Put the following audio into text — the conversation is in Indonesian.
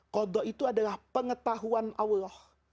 kodok itu adalah pengetahuan allah